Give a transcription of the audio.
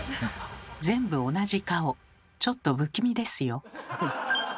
全部同じ顔ちょっと不気味ですよ。